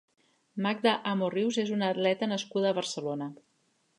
Magda Amo Rius és una atleta nascuda a Barcelona.